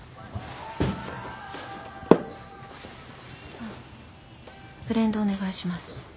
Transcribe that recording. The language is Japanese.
あっブレンドお願いします。